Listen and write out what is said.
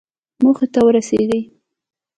موخې ته ورسېږئ